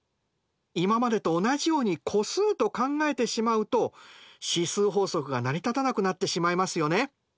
今までと同じように個数と考えてしまうと指数法則が成り立たなくなってしまいますよね。